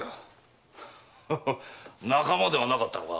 仲間ではなかったのか？